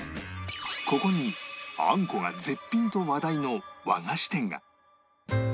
ここにあんこが絶品と話題の和菓子店が